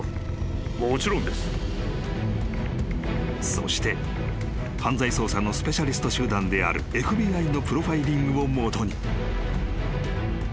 ［そして犯罪捜査のスペシャリスト集団であるＦＢＩのプロファイリングを基に捜査が行われることとなった］